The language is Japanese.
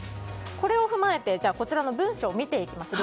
これを踏まえてこちらの例文を見ていきます。